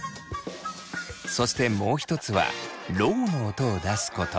そしてもう一つは「ろう」の音を出すこと。